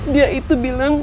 dia itu bilang